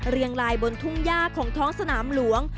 เรียงลายบนทุ่งย่าของท้องสนามหลวง